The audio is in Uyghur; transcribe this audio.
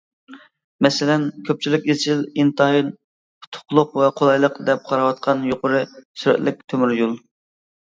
مەسىلەن، كۆپچىلىك ئىزچىل ئىنتايىن ئۇتۇقلۇق ۋە قولايلىق دەپ قاراۋاتقان يۇقىرى سۈرەتلىك تۆمۈريول.